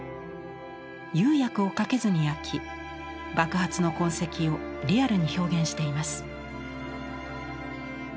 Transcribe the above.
釉薬をかけずに焼き爆発の痕跡をリアルに表現しています。